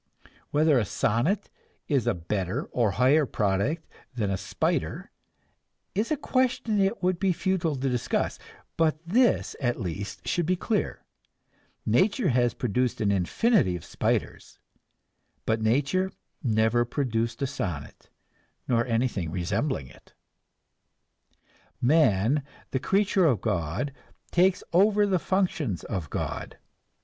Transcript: Whether a sonnet is a better or a higher product than a spider is a question it would be futile to discuss; but this, at least, should be clear nature has produced an infinity of spiders, but nature never produced a sonnet, nor anything resembling it. Man, the creature of God, takes over the functions of God.